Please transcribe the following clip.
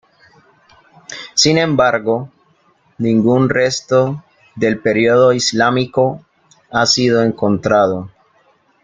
Sin embargo, ningún resto del periodo islámico ha sido encontrado.